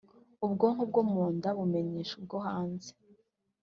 ubwonko bwo mu nda bumenyesha ubwo hanze